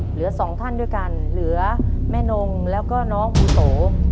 เหลือสองท่านด้วยกันเหลือแม่นงแล้วก็น้องภูโต